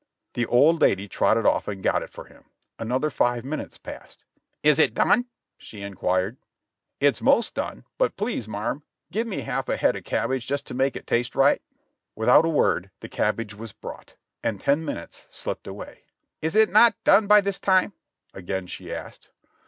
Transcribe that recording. The old lady trotted off and got it for him ; another five min utes passed. "Is it done?" she inquired. "It's mos' done, but please, marm, give me half a head o' cab bage just to make it taste right," Without a word the cabbage was brought ; and ten minutes slipped away. "Is it not done by this time?" again she asked.